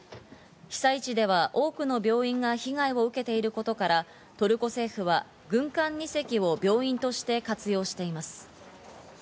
被災地では多くの病院が被害を受けていることから、トルコ政府は軍艦２隻を病院として活用しています。